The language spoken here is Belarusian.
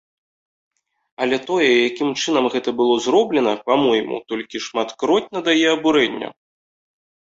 Але тое, якім чынам гэта было зроблена, па-мойму, толькі шматкроць надае абурэння.